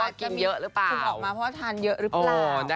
อาจออกมาเพราะทานเยอะหรือเปล่า